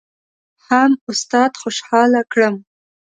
هم استاد خوشحاله کړم.